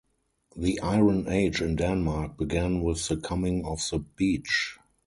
The Iron Age in Denmark began with the coming of the beech.